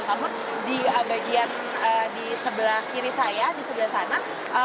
namun di bagian di sebelah kiri saya di sebelah sana